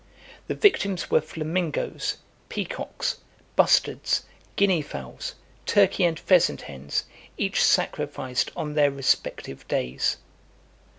The victims were flamingos, peacocks, bustards, guinea fowls, turkey and pheasant hens, each sacrificed on their respective days.